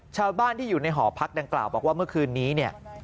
ชาวบ้านที่อยู่ในหอพักดังกล่าวบอกว่าเมื่อคืนนี้เนี่ย